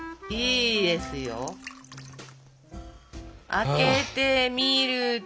開けてみると？